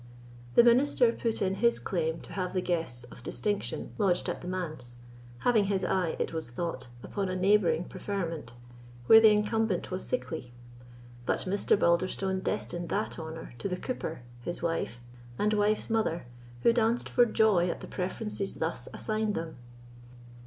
The minister put in his claim to have the guests of distinction lodged at the manse, having his eye, it was thought, upon a neighbouring preferment, where the incumbent was sickly; but Mr. Balderstone destined that honour to the cooper, his wife, and wife's mother, who danced for joy at the preferences thus assigned them.